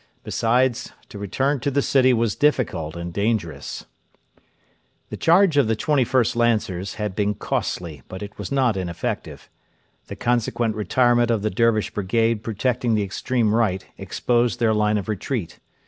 Besides, to return to the city was difficult and dangerous. The charge of the 21st Lancers had been costly, but it was not ineffective. The consequent retirement of the Dervish brigade protecting the extreme right exposed their line of retreat.